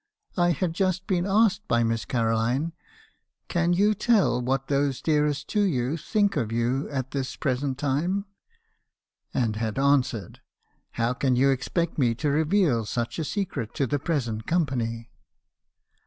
I had just been asked by Miss Caroline , '"Can you tell what those dearest to you think of you at this 'present timeV and had answered, " l How can you expect me to reveal such a secret to the present company!